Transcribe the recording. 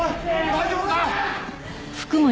大丈夫か？